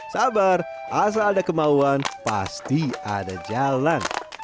sabar asal ada kemauan pasti ada jalan